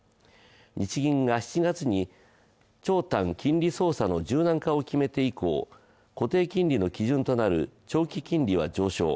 日銀が７月に長短金利操作の柔軟化を決めて以降、固定金利の基準となる長期金利は上昇。